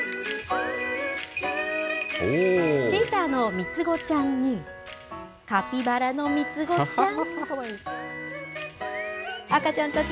チーターの３つ子ちゃんに、カピバラの３つ子ちゃん。